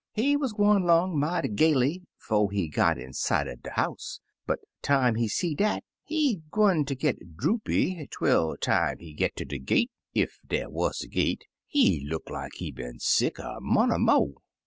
He wuz gwine 'long mighty gaily 'fo' he got in sight er de house, but time he see dat, he 'gun ter git droopy, twel, time he git ter de gate — ef dey wuz a gate — he look like he been sick a mont' er mo'."